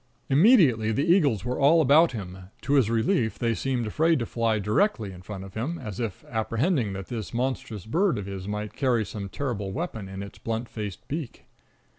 Immediately the eagles were all about him. To his relief, they seemed afraid to fly directly in front of him, as if apprehending that this monstrous bird of his might carry some terrible weapon in its blunt faced beak.